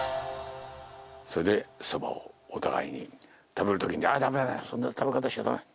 それでそばをお互いに食べるときに、だめだめだめ、そんな食べ方しちゃだめ。